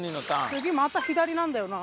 次また左なんだよな。